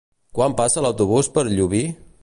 Quan passa l'autobús per Llubí?